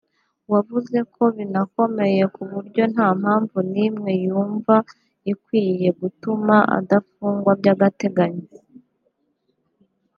wavuze ko binakomeye ku buryo nta mpamvu n’imwe yumva ikwiye gutuma adafungwa by’agateganyo